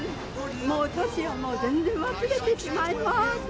もう、年を全然忘れてしまいます。